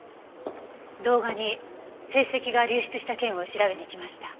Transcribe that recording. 動画に成績が流出した件を調べに来ました。